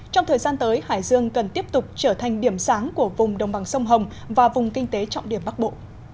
trong thời gian tới hải dương cần tiếp tục trở thành điểm sáng của vùng đồng bằng sông hồng và vùng kinh tế trọng điểm bắc bộ